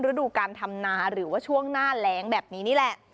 ฤดูการทำนาหรือว่าช่วงหน้าแรงแบบนี้นี่แหละ